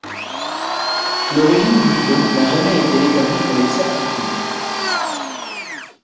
L'origine du feu n'a jamais été établie avec certitude.